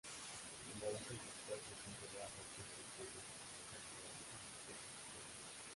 Numerosos esfuerzos han llevado a que esta especie aumente en cantidad en este ecosistema.